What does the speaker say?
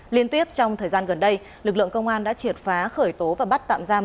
liên tiếp trong thời gian gần đây lực lượng công an đã triệt phá khởi tố và bắt tạm giam